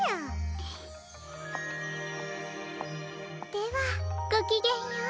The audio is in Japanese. ではごきげんよう。